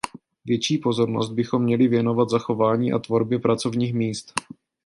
Větší pozornost bychom měli věnovat zachování a tvorbě pracovních míst.